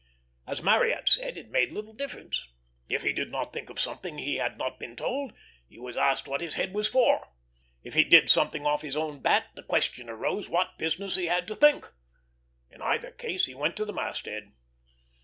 As Marryat said, it made little difference: if he did not think of something he had not been told, he was asked what his head was for; if he did something off his own bat, the question arose what business he had to think. In either case he went to the mast head.